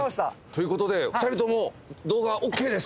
ということで２人とも動画ＯＫです。